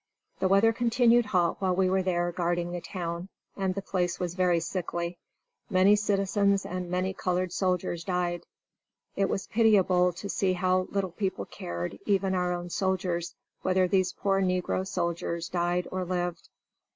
The weather continued hot while we were there guarding the town, and the place was very sickly; many citizens and very many colored soldiers died. It was pitiable to see how little people cared, even our own soldiers, whether these poor negro soldiers died or lived.